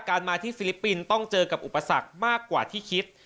มาที่ฟิลิปปินส์ต้องเจอกับอุปสรรคมากกว่าที่คิด